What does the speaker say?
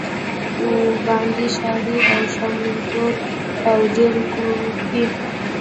بانډ شاري او شامتوره او ډېره کو کښي